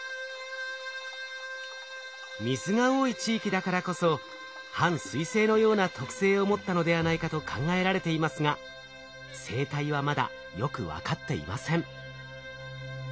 水が多い地域だからこそ半水生のような特性を持ったのではないかと考えられていますが生態はまだよく分かっていません。